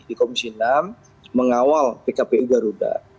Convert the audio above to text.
di komisi enam mengawal pkpu garuda